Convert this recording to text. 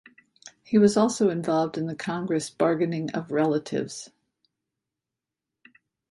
He was also involved in the Congress bargaining of relatives.